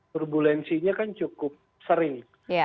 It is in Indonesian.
turbulensinya kan cukup sering